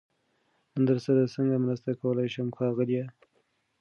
نن درسره سنګه مرسته کولای شم ښاغليه🤗